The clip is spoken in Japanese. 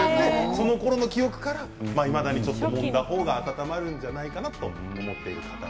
そのころの記憶からいまだにちょっともんだ方が温まるんじゃないかな